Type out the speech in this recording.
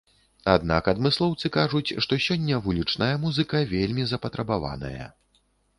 Аднак адмыслоўцы кажуць, што сёння вулічная музыка вельмі запатрабаваная.